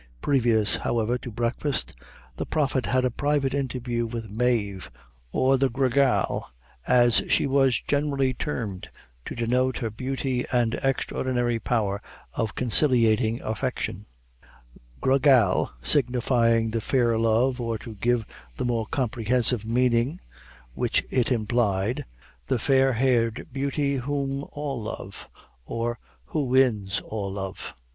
Previous, however, to breakfast, the prophet had a private interview with Mave, or the Gra Gal, as she was generally termed to denote her beauty and extraordinary power of conciliating affection; Gra Gal signifying the fair love, or to give the more comprehensive meaning which it implied, the fair haired beauty whom all love, or who wins all love.